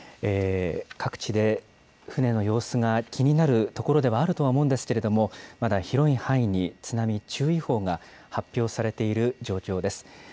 各地で船の様子が気になるところではあるとは思うんですけれども、まだ広い範囲に津波注意報が発表されている状況です。